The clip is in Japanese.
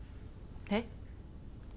えっ？